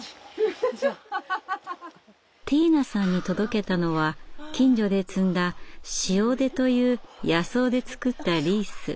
ティーナさんに届けたのは近所で摘んだシオデという野草で作ったリース。